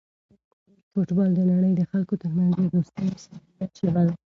فوټبال د نړۍ د خلکو ترمنځ د دوستۍ او صمیمیت ژبه ده.